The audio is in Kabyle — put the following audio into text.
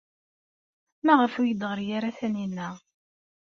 Maɣef ur iyi-d-teɣri ara Taninna?